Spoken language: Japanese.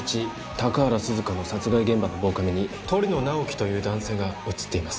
高原涼香の殺害現場の防カメに鳥野直木という男性が写っています